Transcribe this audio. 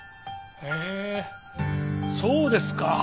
へえーそうですか。